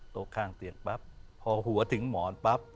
ข้างเตียงปั๊บพอหัวถึงหมอนปั๊บ